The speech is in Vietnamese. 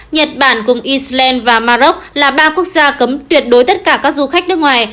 nhật bản cùng iceland và maroc là ba quốc gia cấm tuyệt đối tất cả các du khách nước ngoài